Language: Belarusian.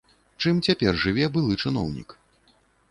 Чым цяпер жыве былы чыноўнік?